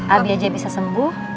abi aja bisa sembuh